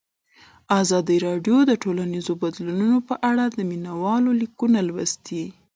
ازادي راډیو د ټولنیز بدلون په اړه د مینه والو لیکونه لوستي.